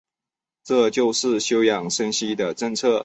这就是休养生息的政策。